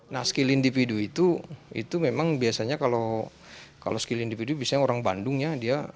nah skill individu itu itu memang biasanya kalau skill individu biasanya orang bandung ya